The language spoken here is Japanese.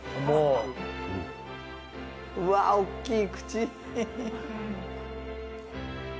うわおっきい口。